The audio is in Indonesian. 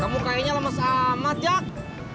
kamu kayaknya lemes amat jak